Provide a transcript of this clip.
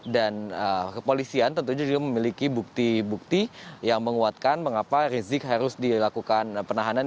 dan kepolisian tentu juga memiliki bukti bukti yang menguatkan mengapa rizik harus dilakukan penahanan